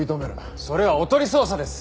それはおとり捜査です。